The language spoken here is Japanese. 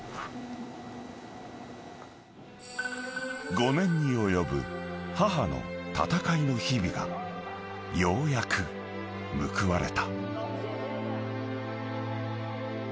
［５年に及ぶ母の闘いの日々がようやく報われた］